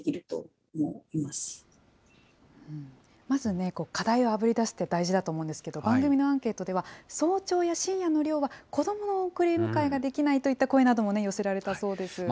まず、課題をあぶりだすって大事だと思うんですけど、番組のアンケートでは、早朝や深夜の漁は、子どもの送り迎えができないといった声なども寄せられたそうです。